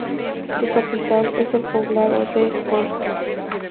Su capital es el poblado de "Colca"